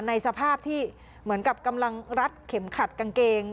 ในสภาพที่เหมือนกับกำลังรัดเข็มขัดกางเกง